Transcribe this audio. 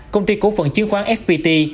công ty cổ phần chứng khoán fpt